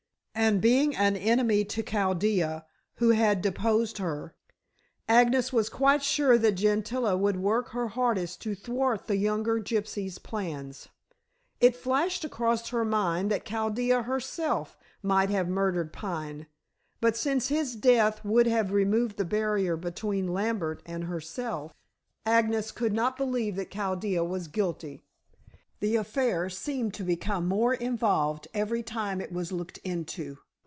And being an enemy to Chaldea, who had deposed her, Agnes was quite sure that Gentilla would work her hardest to thwart the younger gypsy's plans. It flashed across her mind that Chaldea herself might have murdered Pine. But since his death would have removed the barrier between Lambert and herself, Agnes could not believe that Chaldea was guilty. The affair seemed to become more involved every time it was looked into.